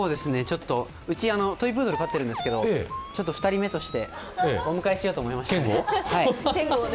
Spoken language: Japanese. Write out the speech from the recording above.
うち、トイプードル飼ってるんですけど、２人目としてお迎えしようと思いましたね。